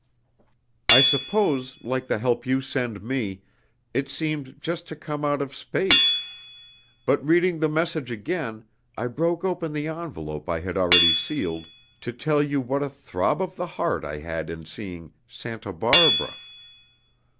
I suppose, like the help you send me, it seemed just to come out of space! But reading the message again, I broke open the envelope I had already sealed, to tell you what a throb of the heart I had in seeing 'Santa Barbara.'